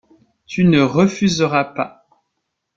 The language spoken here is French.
Tu ne refuseras pas.